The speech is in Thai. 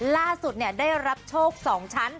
ล่าสุดได้รับโชค๒ชั้น